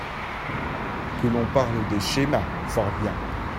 Que l’on parle des schémas, fort bien.